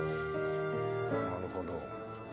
なるほど。